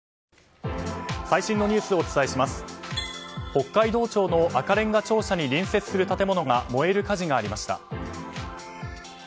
北海道庁の赤れんが庁舎に隣接する建物が燃える火事がありました。